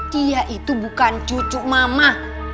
dia itu bukan cucu mama